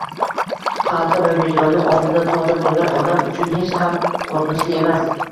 xalqi va vijdoni oldida toza bo‘lgan odam uchun hech ham qo‘rqinchli emas.